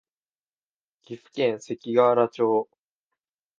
岐阜県関ケ原町